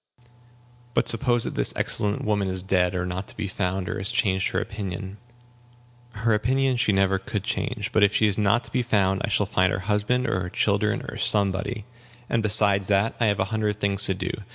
"But suppose that this excellent woman is dead, or not to be found, or has changed her opinion?" "Her opinion she never could change. But if she is not to be found, I shall find her husband, or her children, or somebody; and besides that, I have a hundred things to do.